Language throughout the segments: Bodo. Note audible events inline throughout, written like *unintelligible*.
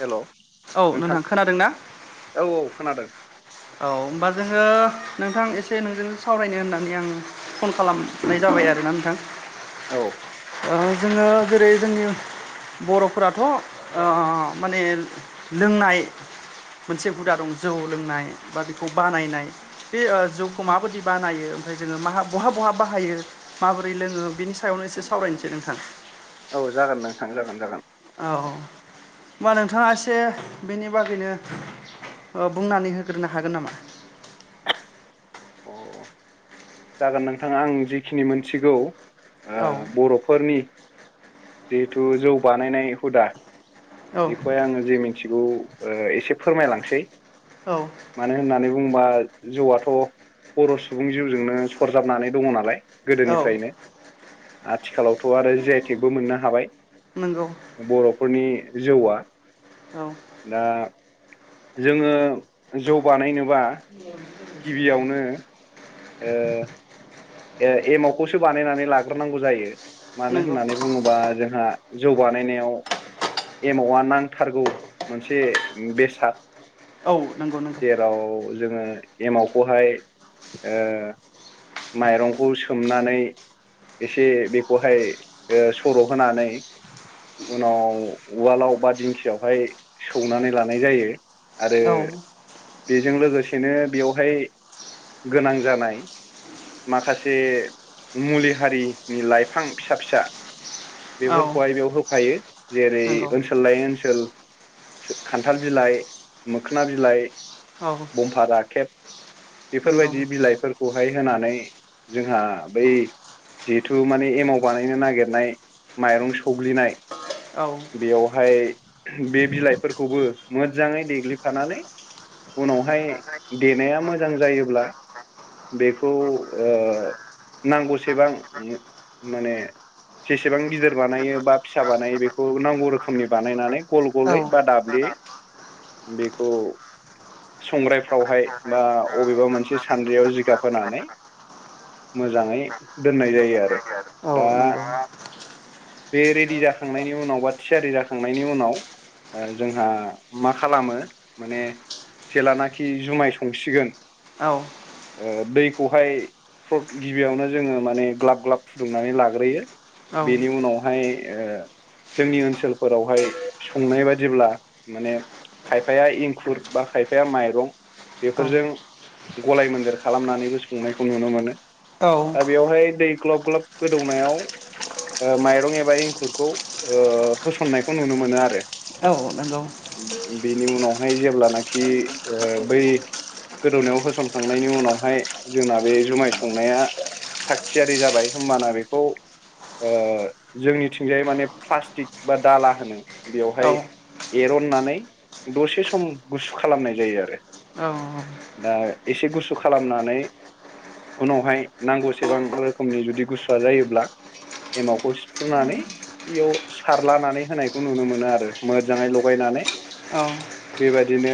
हेल' औ नोंथां खोनादों ना? औ औ खोनादों औ होमबा जोङो नोंथां एसे नोंजों सावरायनो होननानै आं फन खालामनाय जाब हाबाय आरोना नोंथां। औ। जोङो जेरै जोंनि। बर'फोराथ' ओ माने लोंनाय। मोनसे हुदा दं जौ लोंनाय। बा बेखौ बानायनाय बे जौखौ माबायदि बानायो ओमफ्राय जोङो बहा बहा बाहायो। माबोरै लोङो बिनि सायावनो एसे सावरायनोसै नोंथां। औ जागोन नोंथां जागोन जागोन। औ होनोमबा नोंथाङा एसे बेनि बागैनो। बुंनानै होग्रोनो हागोन नामा? अ जागोन नोंथां आं जिखिनि मोनथिगौ ओ औ बर' फोरनि। जिहेथु जौ बानायनाय हुदा औ बेखौहाय आङो जे मिथिगौ। ओ एसे फोरमायलांसै औ मानो होननानै। बुंबा जौआथ' बर' सुबुं जिउजोंनो सरजाबनानै दङ नालाय। औ गोदोनिफ्रायनो आथिखालाव। गथ' आरो जइटेकबो मोननो हाबाय नंगौ बर'फोरनि जौआ। औ दा जोङो जौ बानायनो। *unintelligible* गिबियावनो ओ ओ एमावखौसो बानायनानै लाग्रोनांगौ जायो मानो नंगौ होननानै बुङोबा जोंहा, जौ बानायनायाव एमावा नांथारगौ मोनसे बेसाद, औ नंगौ नंगौ जेराव जोङो एमावखौहाय ओ माइरंखौ सोमनानै एसे बेखौहाय ओ सर' होनानै उनाव उवालाव बा दिंखियावहाय सौनानै लानाय जायो। आरो औ बेजों लोगो सेनो बेयावहाय गोनां जानाय, माखासे मुलि हारिनि लाइफां फिसा फिसा बेफोरखौहाय बेयाव होफायो जेरै नंगौ ओनसोल लायै ओनसोल, खान्थाल बिलाइ मोखोना बिलाइ, औ बमफा राखेब नंगौ बेफोरबायदि बिलाइफोरखौहाय होनानै, जोंहा बै जिहेथु माने एमाव बानायनो नागिरनाय माइरं सौग्लिनाय, औ बेयावहाय बे बिलाइफोरखौबो मोजाङै देग्लिफानानै, उनावहाय देनाया मोजां जायोब्ला बेखौ, ओ नांगौसेबां माने, जेसेबां गिदिर बानायो बा फिसा बानायो बेखौ नांगौ रोखोमनि बानायनानै गल औ गलै बा दाब्ले, *unintelligible* बेखौ संग्रायफ्रावहाय बा अबेबा मोनसे सान्द्रियाव जिगाब होनानै, मोजाङै दोननाय जायो आरो नंगौ औ दा, नंगौ बे रेडि जाखांनायनि उनाव बा थियारि जाखांनायनि उनाव, ओ जोंहा मा खालामो माने जेलानाखि जुमाय संसिगोन औ ओ दैखौहाय *unintelligible* गिबियावनो जोङो माने ग्लाब ग्लाब फुदुंनानै लाग्रोयो औ बेनि उनावहाय ओ जोंनि ओनसोलफोरावहाय संनाय बादिब्ला माने खायफाया एंखुर बा खायफाया माइरं बेफोरजों गलाय मोनदेर खालामनानैबो संनाय खौ नुनो मोनो दा बेवहाय दै ग्लब ग्लब गोदौनायाव ओ माइरं एबा एंखुरखौ ओ होसननायखौ नुनो मोनो आरो औ नंगौ बेनि उनावहाय जेब्लानाखि ओ बै गोदौनायाव होसनखांनायनि उनावहाय जोंना बे जुमाय संनाया थागथियारि जाबाय होमबाना बेखौ ओ जोंनिथिंजायै माने प्लास्टिक बा दाला होनो औ बेवहाय एरननानै दसे सम गुसु खालामनाय जायो आरो औ दा एसे गुसु खालामनानै उनावहाय नांगौसेबां रोखोमनि जुदि गुसुआ जायोब्ला एमावखौ सिफ्रुनानै बेयाव सारलानानै होनायखौ नुनो मोनो आरो मोजाङै लगायनानै माने बेबादिनो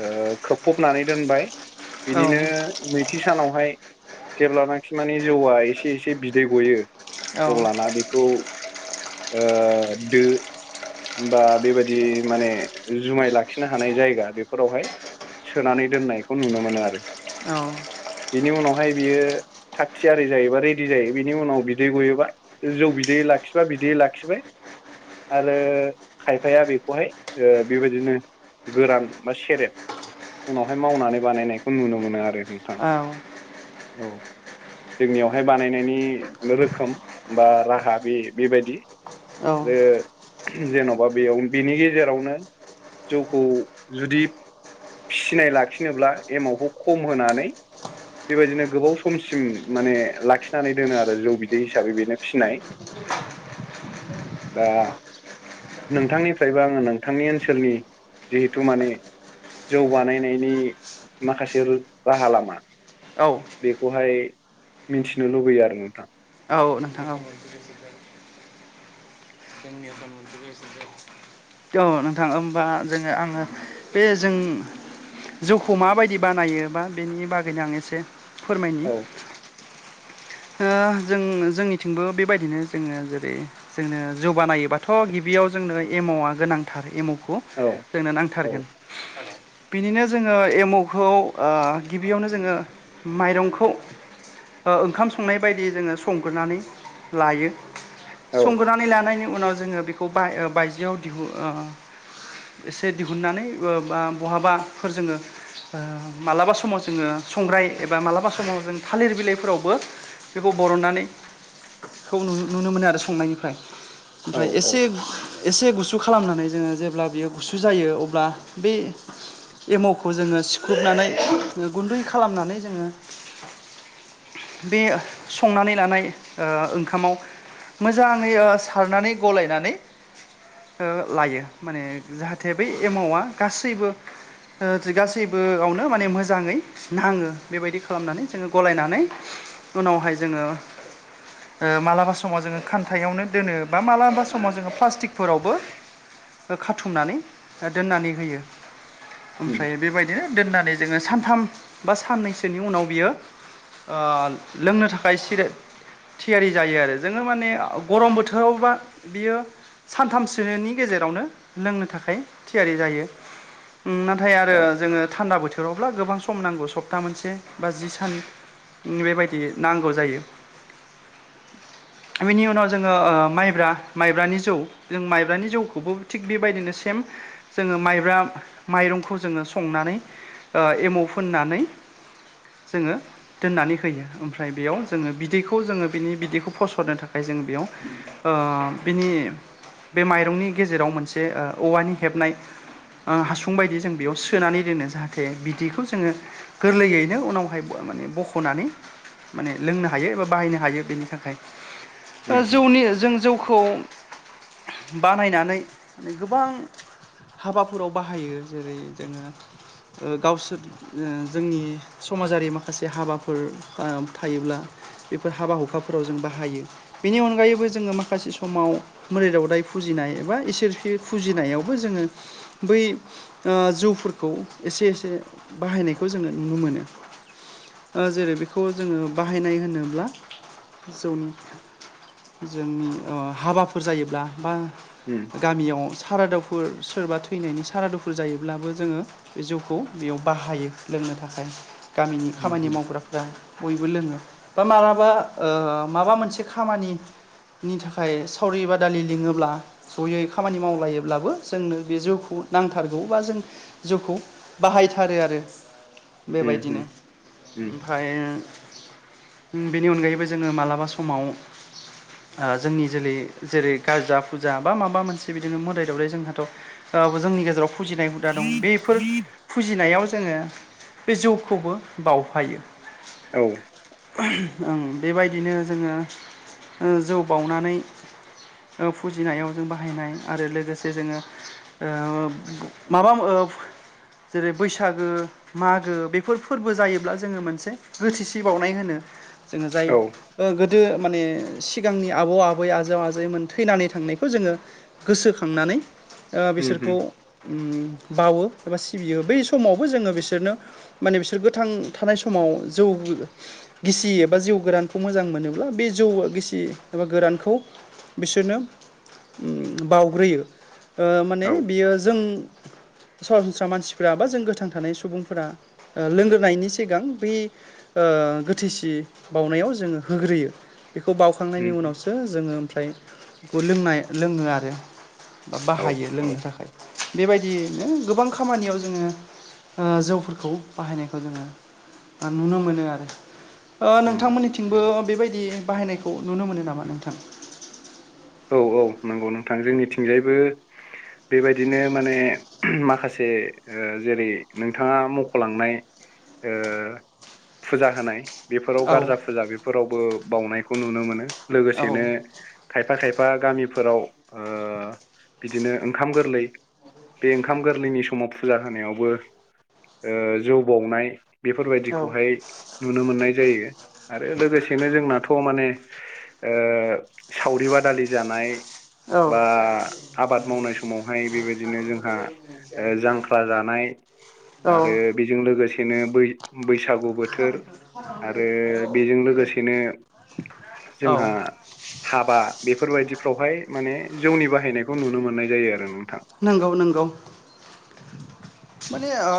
ओ खोबफबनानै दोनबाय बिनिनो नैथि सानावहाय जेब्लानाखि माने जौआ एसे एसे बिदै गयो अब्लाना बेखौ ओ दो बा बेबादि माने जुमाय लाखिनो हानाय जायगा बेफोरावहाय सोनानै दोननायखौ नुनो मोनो आरो *unintelligible* बिनि उनावहाय बियो थाख थियारि जायोबा रेडि जायो बिनि उनाव बिदै गयोबा जौ बिदै लाखिबा बिदि लाखिबाय आरो खायफाया बेखौहाय ओ बेबायदिनो गोरान बा सेरेब उनावहाय मावनानै बानायनायखौ नुनो मोनो आरो नोंथां औ औ जोंनियावहाय बानायनायनि रोखोम बा राहा बे-बेबायदि आरो जेन'बा बेयाव बिनि गेजेरावनो जौखौ जुदि फिसिनाय लाखिनोब्ला एमावखौ खम होनानै *unintelligible* बेबायदिनो गोबाव समसिम माने लाखिनानै दोनो आरो जौ बिदै हिसाबै बेनो फिसिनाय *unintelligible* दा नोंथांनिफ्रायबो आङो नोंथांनि ओनसोलनि जिहेथु माने जौ बानायनायनि माखासे राहा लामा बेखौहाय मिनथिनो लुबैयो आरो नोंथां नोंथां औ औ नोंथां ओमबा जोङो आङो बे जों जौखौ माबायदि बानायो बा बेनि बागैनो आं एसे फोरमायनि औ *unintelligible* ओ जों जोंनिथिंबो बेबायदिनो जोङो जेरै जोंनो जौ बानायोबाथ' गिबि याव जोंनो एमावआ गोनांथार एमावखौ औ जोंनो औ नांथारगोन बिनिनो जोङो एमावखौ ओ गिबियावनो जोङो माइरंखौ ओ ओंखाम संनाय बायदि जोङो संग्रोनानै लायो औ संग्रोनानै लानायनि उनाव जोङो बेखौ बाय- बायजोआव दिहु ओ एसे दिहुननानै ओ बा बहाबा फोर जोङो ओ मालाबा समाव जोङो संग्राय एबा मालाबा समाव जों थालिर बिलाइफोरावबो बेखौ बरननानै खौ नु-नुनो मोनो आरो संनायनिफ्राय औ ओमफ्राय औ एसे एसे गुस गुसु खालामनानै जोङो जेब्ला बियो गुसु जायो अब्ला बे एमावखौ जोङो सिखुबनानै गुन्दै खालामनानै जोङो बे संनानै लानाय ओ ओंखामाव मोजाङै ओ सारनानै गलायनानै ओ लायो माने जाहाथे बै एमावा गासैबो गासैबोयावनो माने मोजाङै नाङो बेबायदि खालामनानै जोङो गलायनानै उनावहाय जोङो ओ मालाबा समाव जोङो खान्थायावनो दोनो बा मालाबा समाव जोङो प्लास्टिकफोरावबो खाथुमनानै दोननानै होयो उम ओमफ्राय बेबायदिनो दोननानै जोङो सानथाम बा साननैसोनि उनाव बियो ओ लोंनो थाखाय सिरि थियारि जायो आरो जोङो माने गरम बोथोरावबा बियो सानथामसो सोनि गेजेरावनो लोंनो थाखाय थियारि जायो नाथाय आरो औ जोङो थान्दा बोथोरावब्ला गोबां सम नांगौ सप्ता मोनसे बा जि सान बेबायदि नांगौ जायो बिनि उनाव जोङो माइब्रा माइब्रानि जौ जों माइ माइब्रानि जौखौबो थिग बेबायदिनो सेम जोङो माइब्रा माइरंखौ जोङो संनानै ओ एमाव फोननानै जोङो दोननानै होयो ओमफ्राय बेयाव जोङो बिदैखौ जोङो बिनि बिदैखौ फसरनो थाखाय जोंङो बेयाव ओ बिनि बे माइरंनि गेजेराव मोनसे ओ औवानि हेबनाय हासुं बायदि जों बेयाव सोनानै दोनो जाहाथे बिदिखौ जोङो गोरलैयैनो उनावहाय माने बखनानै माने लोंनो हायो एबा बाहायनो हायो बेनि थाखाय उम उम जौनि जों जौखौ बानायनानै गोबां हाबाफोराव बाहायो जेरै जोङो। गावसोर जोंनि समाजारि माखासे हाबाफोर थायोब्ला बेफोर हाबा हुखाफोराव जों बाहायो बेनि अनगायैबो जोङो माखासे समाव मोदाय दावदाय फुजिनाय एबा इसोर फुजिनायावबो जोङो बै जौ फोरखौ एसे एसे बाहायनायखौ जोङो नुनो मोनो। जेरै बेखौ जोङो बाहायनाय होनोब्ला जौनि जोंनि हाबाफोर जायोब्ला बा उम गामियाव सारुदुवाव सोरबा थैनायनि सारादुफुर जायोब्लाबो जोङो बे जौखौ बेयाव बाहायो लोंनो थाखाय। गामिनि खामानि उम मावग्राफ्रा बयबो लोङो। बा मालाबा माबा मोनसे खामानिनि थाखाय। सावरि बादालि लिङोब्ला जयै खामानि मावलायोब्लाबो जोंनो बे जिउखौ नांथारगौ बा जोंनो जौखौ बाहायथारो आरो उम बेबायदिनो उम उम ओमफ्राय। बेनि अनगायैबो जोङो मालाबा समाव जोंनि जोलै जेरै गारजा फुजा बा माबा मोनसे बिदिनो मोदाय दावदाय जोंहाथ' जोंनि गेजेराव फुजिनाय हुदा दं बेफोर फुजिनायाव जोङो बे जौखौबो बावफायो। औ। ओ बेबायदिनो जोङो जौ बानानै फुजिनायाव जों बाहायनाय आरो लोगोसे जोङो माबा जेरै बैसागो मागो बेफोर फोरबो जायोब्ला जोङो मोनसे गोथिसि बावउनाय होनो। जोङो जाय औ गोदो माने सिगांनि आबौ आबै आजौ थैनानै थांनायखौ जोङो गोसोखांनानै उम बिसोरखौ उम बावो एबा सिबियो बै समावबो जोङो बिसोरनो माने बिसोर गोथां थानाय समाव जौ गिसि एबा जौ गोरानखौ मोजां मोनोब्ला बे जौ गिसि एबा गोरानखौ बिसोरनो बावग्रोयो माने औ बियो जों *inaudible* सरासनस्रा मानसिफोरा बा जों गोथां थानाय सुबुंफोरा लोंग्रोनायनि सिगां बे गोथैसि बावउनायाव जोङो होग्रोयो बेखौ बावखांनायनि उम उनावसो जोङो ओमफ्राय बे लोंनाय लोङो आरो। बा औ बाहायो औ लोंनो थाखाय बेबायदियैनो गोबां खामानियाव जोङो जौफोरखौ बाहायनायखौ जोङो नुनो मोनो आरो। नंगौ नोंथांमोननिथिंबो नंगौ बेबायदि बाहायनायखौ नुनो मोनो नामा नोंथां? औ औ नंगौ नोंथां जोंनिथिंजायबो बेबायदिनो माने माखासे जेरै नोंथाङा मख'लांनाय फुजा होनाय बेफोराव औ गारजा फुजा बेफोरावबो बावनायखौ नुनो मोनो औ लोगोसेनो खायफा गामिफोराव बिदिनो ओंखाम गोरलै बे ओंखाम गोरलैनि समाव फुजा होनायावबो जौ बाउनाय औ बेफोरबायदिखौहाय नुनो मोननाय जायो। आरो लोगोसेनो जोंनाथ' माने सावरि बादालि बादालि जानाय औ बा आबाद मावनाय समावहाय बेबायदिनो जोंहा जांख्रा जानाय औ आरो बेजों लोगोसेनो बै बैसागु बोथोर आरो बेजों लोगोसेनो औ जोंहा हाबा बेफोर बायदिफ्रावहाय माने जौनि बाहायनायखौ नुनो मोननाय जायो आरो। नंगौ नंगौ माने ओ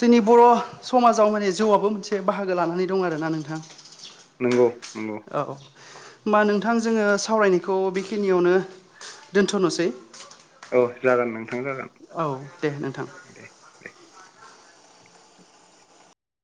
जोंनि बर' समाजाव माने जौआबो मोनसे बाहागो लानानै दं आरोना नोंथां। नंगौ। नंगौ औ होमबा नोंथां जोङो सावरायनायखौ बेखिनियावनो दोन्थ'नोसै औ जागोन नोंथां जागोन दे नोंथां दे दे।